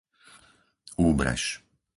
Úbrež